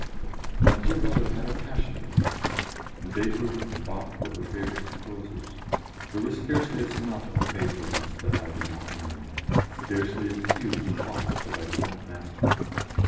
My dear mother had a passion for music, and Beethoven and Bach were her favourite composers. There was scarcely a sonata of Beethoven's that I did not learn, scarcely a fugue of Bach's that I did not master.